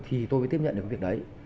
thì tôi mới tiếp nhận được việc đấy